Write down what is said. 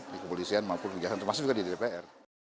di kepolisian maupun kejaksaan termasuk juga di dpr